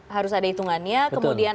harus ada hitungannya kemudian